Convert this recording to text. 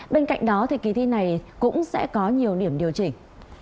bên cạnh đó thì kỳ thi này cũng sẽ có nhiều điểm điều chỉnh